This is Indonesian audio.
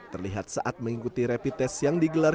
terlihat saat mengikuti repites yang digelar